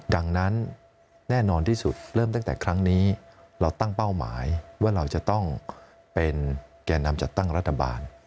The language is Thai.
ดังนั้นแน่นอนที่สุดเริ่มตั้งแต่ครั้งนี้เราตั้งเป้าหมายว่าเราจะต้องเป็นแก่นำจัดตั้งรัฐบาล